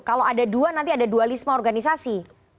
kalau ada dua nanti ada dualisme organisasi